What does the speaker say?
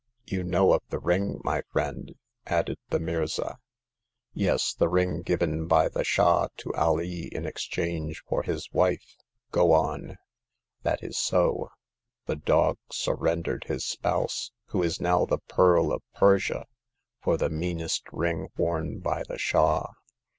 You know of the ring, my friend ?" added the Mirza. Yes ; the ring given by the Shah to Alee in exchange for his wife. . Go on." '* That is so. The dog surrendered his spouse, who is now the Pearl of Persia, for the meanest ring worn by the Shah.